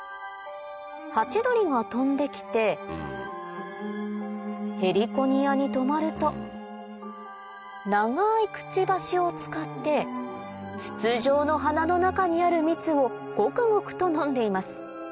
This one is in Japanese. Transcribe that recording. ハチドリが飛んできてヘリコニアに止まると長いくちばしを使って筒状の花の中にある蜜をゴクゴクと飲んでいます